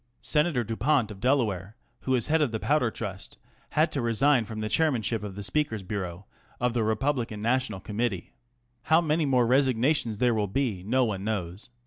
Senator Dupont of Delaware, who is head of the Powder Trust, had to resign from the Chairmanship of the Speaker's Bureau of the Republican National Committee. How many more resignations there will be no one knows.